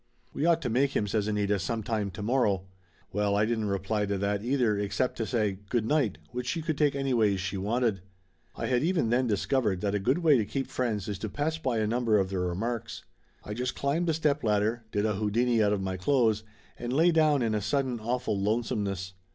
"We ought to make him," says Anita, "sometime to morrow !" Well, I didn't reply to that, either, except to say "Good night" which she could take anyways she wanted. I had even then discovered that a good way to keep friends is to pass by a number of their re marks. I just climbed the stepladder, did a Houdini out of my clothes, and lay down in a sudden awful lonesomeness.